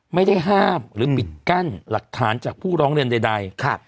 ไม่ได้ห้ามหรือปิดกั้นหลักฐานจากผู้ร้องเรียนใด